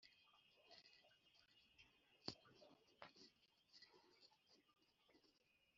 Dore ni cyo cyatumye nkubita ibiganza byanjye ku ndamu z’uburiganya wabonye,